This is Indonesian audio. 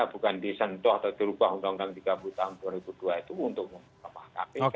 bukan disentuh atau dirubah undang undang tiga puluh tahun dua ribu dua itu untuk kpk